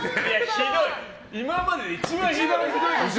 ひどい、今までで一番ひどい。